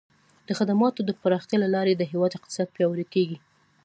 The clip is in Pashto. د خدماتو د پراختیا له لارې د هیواد اقتصاد پیاوړی کیږي.